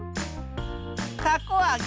たこあげ。